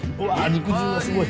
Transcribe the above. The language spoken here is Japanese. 肉汁がすごい！